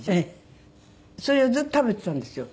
それをずっと食べていたんですよ。